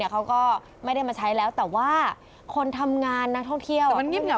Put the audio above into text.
เขาก็ไม่ได้มาใช้แล้วแต่ว่าคนทำงานนักท่องเที่ยว